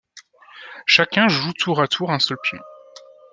Chacun joue tour à tour un seul pion.